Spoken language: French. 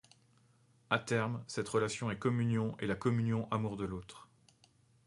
À terme, cette relation est communion et la communion amour de l'autre.